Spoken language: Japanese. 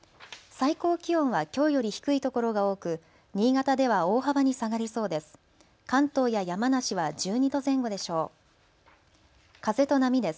最高気温はきょうより低いところが多く新潟では大幅に下がりそうです。